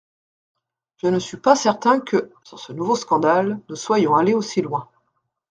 Je ne suis pas certain que, sans ce nouveau scandale, nous soyons allés aussi loin.